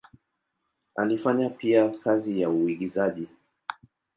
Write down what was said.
Alifanya pia kazi ya uigizaji.